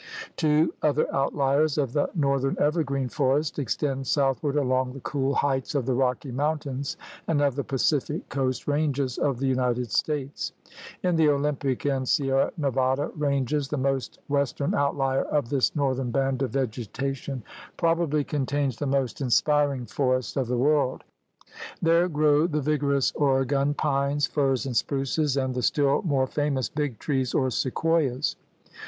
Two other outliers of the northern evergreen forest extend southward along the cool heights of the Rocky Mountains and of the Pacific coast ranges of the United States. In the Olympic and Sierra Nevada ranges the most western outlier of this northern band of vegetation probably contains the most inspiring forests of the world . There grow the vigorous Oregon pines, firs, and spruces, and the still more famous Big Trees or sequoias.